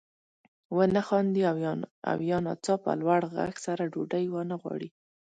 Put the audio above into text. ونه خاندي او یا ناڅاپه لوړ غږ سره ډوډۍ وانه غواړي.